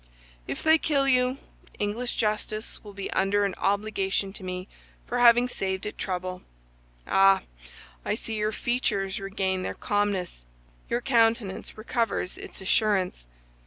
If they kill you, English justice will be under an obligation to me for having saved it trouble. Ah! I see your features regain their calmness, your countenance recovers its assurance.